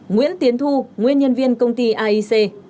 nguyễn tiến thu nguyên nhân viên công ty aic